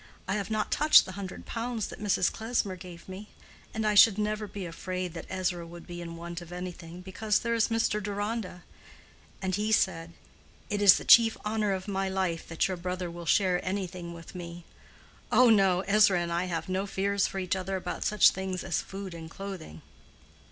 I have not touched the hundred pounds that Mrs. Klesmer gave me; and I should never be afraid that Ezra would be in want of anything, because there is Mr. Deronda, and he said, 'It is the chief honor of my life that your brother will share anything with me.' Oh, no! Ezra and I can have no fears for each other about such things as food and clothing."